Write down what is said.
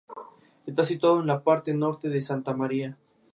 La selva se encuentra protegida por el Servicio Forestal de los Estados Unidos.